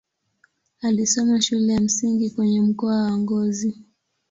Alisoma shule ya msingi kwenye mkoa wa Ngozi.